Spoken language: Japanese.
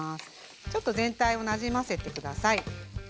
ちょっと全体をなじませて下さい。